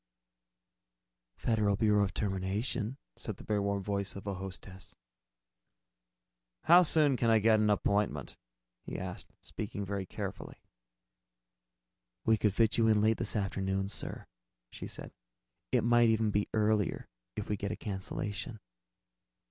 "Federal Bureau of Termination," said the very warm voice of a hostess. "How soon could I get an appointment?" he asked, speaking very carefully. "We could probably fit you in late this afternoon, sir," she said. "It might even be earlier, if we get a cancellation."